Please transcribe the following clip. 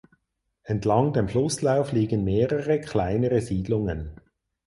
Entlang dem Flusslauf liegen mehrere kleinere Siedlungen.